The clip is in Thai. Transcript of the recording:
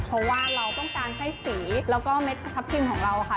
เพราะว่าเราต้องการให้สีแล้วก็เม็ดทับทิมของเราค่ะ